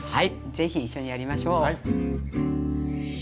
是非一緒にやりましょう。